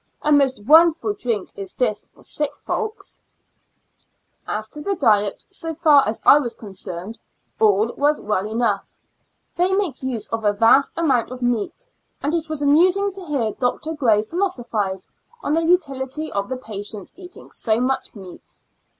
A most wonderful drink is this for sick folks ! As to the diet, so far as I was concerned, all was well enough ; they make use of a vast amount of meat ; and it was amusing to hear Dr. Gray philosophise on the utility of the patients eating so much meat.